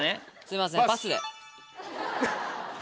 すいません。